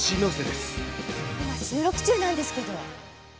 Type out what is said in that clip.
今収録中なんですけど。